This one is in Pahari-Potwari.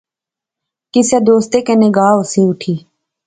کسے دوستے کنے گا ہوسی اٹھی